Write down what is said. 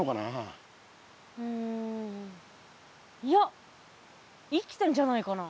うんいや生きてんじゃないかな。